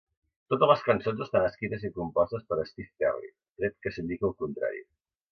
Totes les cançons estan escrites i compostes per Steve Perry, tret que s'indiqui el contrari.